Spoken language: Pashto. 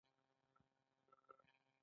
ما د بڼوالۍ ژبه هم پاکه کړه.